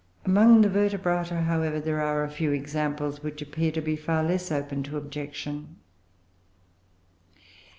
Among the Vertebrata, however, there are a few examples which appear to be far less open to objection.